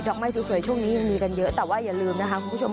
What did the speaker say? อกไม้สวยช่วงนี้ยังมีกันเยอะแต่ว่าอย่าลืมนะคะคุณผู้ชม